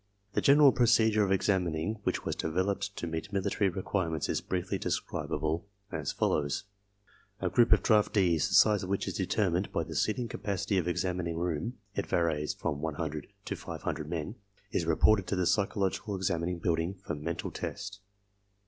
The general procedure of examining which was developed to meet military requirements is briefly describable as follows: A group of draftees, the size of which is determined by the seating capacity of examining room (it varies from one hundred to five hundred men) is reported to the psychological examining building for mental test.